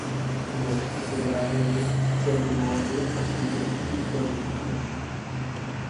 Vložky se vyrábějí z celulózy a syntetických produktů.